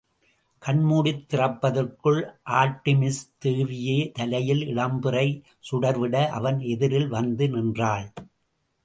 கண் மூடித் திறப்பதற்குள் ஆர்ட்டிமிஸ் தேவியே தலையில் இளம்பிறை சுடர்விட, அவன் எதிரில் வந்து நின்றாள்.